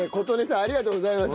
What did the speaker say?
ありがとうございます。